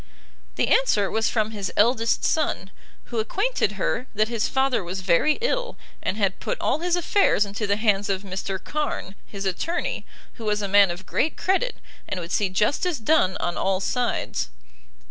The answer was from his eldest son, who acquainted her that his father was very ill, and had put all his affairs into the hands of Mr Carn, his attorney, who was a man of great credit, and would see justice done on all sides.